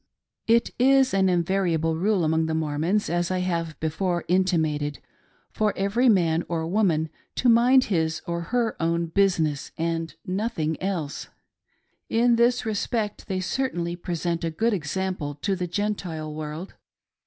It is an invariable rule among the Mormons, as I have before intimated, for every man or woman to mind his or her own busi WHY THE SECRET IS KEPT. 357 ness, and nothing else. In this respect they certainly present a good example to the Gentile world.